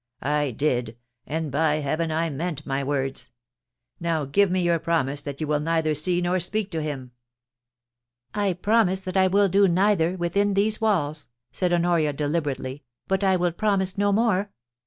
* I did — and by heaven I meant my words ! Now give me your promise that you will neither see nor speak to him.' *I promise that I will do neither — within these walls,' said Honoria, deliberately, *but I will promise no more.